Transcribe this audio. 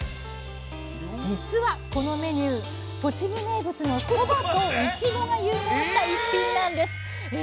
じつはこのメニュー栃木名物のそばといちごが融合した逸品なんです。え！